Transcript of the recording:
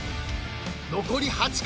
［残り８組。